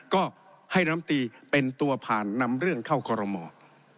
ก็ให้น้ำตีเป็นตัวผ่านนำเรื่องเข้าคอรมอ